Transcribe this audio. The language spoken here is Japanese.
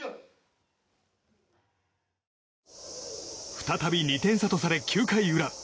再び２点差とされ９回裏。